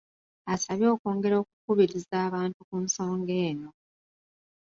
Asabye okwongera okukubiriza abantu ku nsonga eno.